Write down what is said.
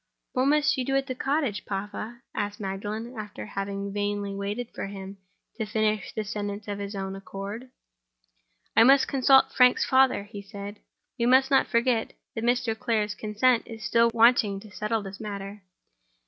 "What must you do at the cottage, papa?" asked Magdalen, after having vainly waited for him to finish the sentence of his own accord. "I must consult Frank's father," he replied. "We must not forget that Mr. Clare's consent is still wanting to settle this matter.